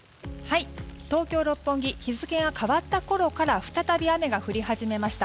東京・六本木日付が変わったころから再び雨が降り始めました。